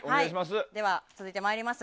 続いてまいります。